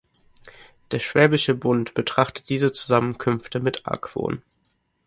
Der Schwäbische Bund betrachtete diese Zusammenkünfte mit Argwohn.